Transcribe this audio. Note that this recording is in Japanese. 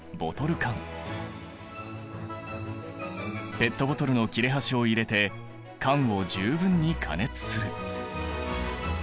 ペットボトルの切れ端を入れて缶を十分に加熱する。